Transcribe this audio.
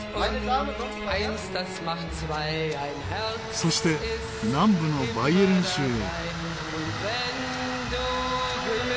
そして南部のバイエルン州へ。